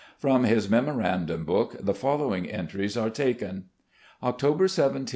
From his memorandum book the following entries are taken: "October 17, 1859.